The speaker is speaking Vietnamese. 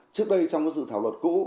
trước đây trong dự thảo luật cũ